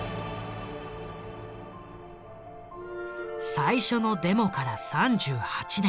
最初のデモから３８年。